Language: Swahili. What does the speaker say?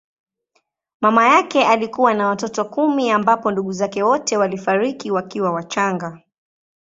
Mama yake alikuwa na watoto kumi ambapo ndugu zake wote walifariki wakiwa wachanga.